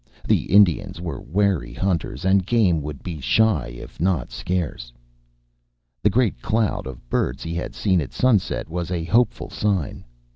The Indians were wary hunters, and game would be shy if not scarce. The great cloud of birds he had seen at sunset was a hopeful sign.